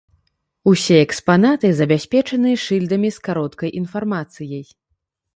Усе экспанаты забяспечаныя шыльдамі з кароткай інфармацыяй.